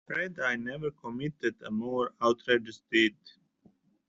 Red-Eye never committed a more outrageous deed.